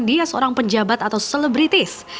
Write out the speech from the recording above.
dia seorang penjabat atau selebritis